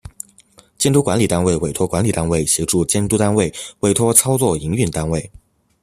监督管理单位委托管理单位协助监督单位委托操作营运单位